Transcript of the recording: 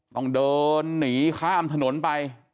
ต้องเดินหนีข้ามถนนไป